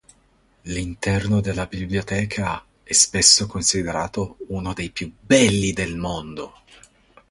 L'interno della biblioteca è spesso considerato uno dei più belli del mondo.